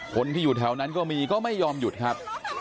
คนที่อยู่แถวนั้นก็มีก็ไม่ยอมหยุดครับ